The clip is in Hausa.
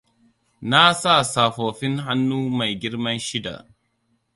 Na sa safofin hannu mai girman shida.